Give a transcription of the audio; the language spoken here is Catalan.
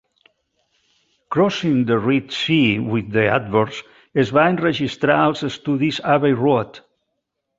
Crossing the Red Sea with the Adverts es va enregistrar als estudis Abbey Road.